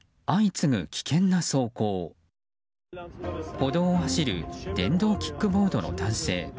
歩道を走る電動キックボードの男性。